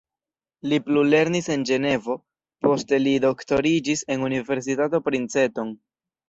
Li plulernis en Ĝenevo, poste li doktoriĝis en Universitato Princeton.